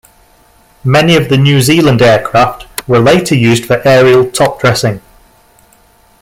Many of the New Zealand aircraft were later used for aerial topdressing.